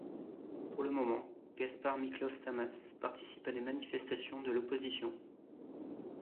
Pour le moment, Gáspár Miklós Tamás participe à des manifestations de l'opposition.